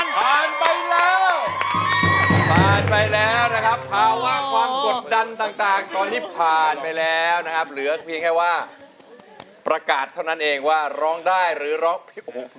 ตามก็พาลไปแล้วนะครับพี่แค่ว่าประกาศเถาหนันเองว่าร้องได้เรื่องร้อง